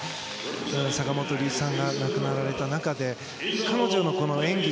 坂本龍一さんが亡くなられた中で彼女の演技